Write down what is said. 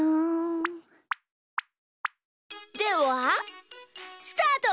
ではスタート！